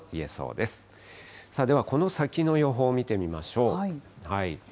ではこの先の予報を見てみましょう。